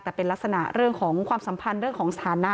แต่เป็นลักษณะเรื่องของความสัมพันธ์เรื่องของสถานะ